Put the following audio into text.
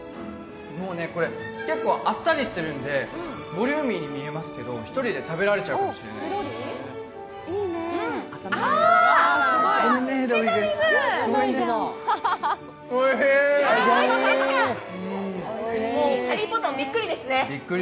結構あっさりしてるので、ボリューミーに見えますけど、１人で食べられちゃうかもしれないごめんね、ヘドウィグ。